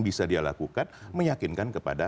bisa dia lakukan meyakinkan kepada